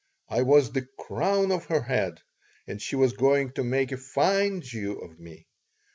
I was the "crown of her head" and she was going to make a "fine Jew" of me.